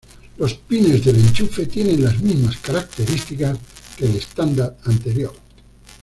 Los pines del enchufe tienen las mismas características que el estándar anterior.